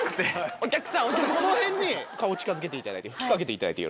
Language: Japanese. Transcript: この辺に顔近づけていただいて吹きかけていただいて。